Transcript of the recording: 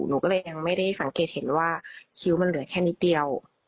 หนูก็เลยยังไม่ได้สังเกตเห็นว่าคิ้วมันเหลือแค่นิดเดียว